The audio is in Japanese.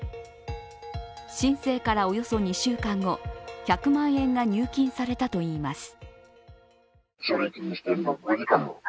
申請からおよそ２週間後、１００万円が入金されたといいます。